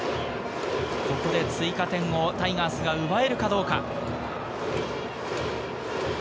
ここで追加点をタイガースが奪えるかどうか。